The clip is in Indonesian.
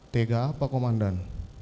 tega apa komandan